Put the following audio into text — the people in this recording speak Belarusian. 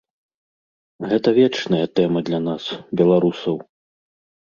Гэта вечная тэма для нас, беларусаў.